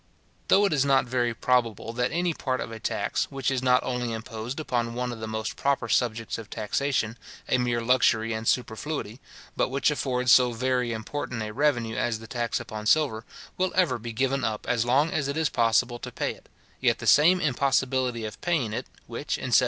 Though it is not very probable that any part of a tax, which is not only imposed upon one of the most proper subjects of taxation, a mere luxury and superfluity, but which affords so very important a revenue as the tax upon silver, will ever be given up as long as it is possible to pay it; yet the same impossibility of paying it, which, in 1736.